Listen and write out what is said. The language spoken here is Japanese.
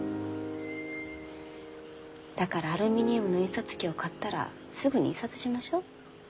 だからアルミニウムの印刷機を買ったらすぐに印刷しましょう。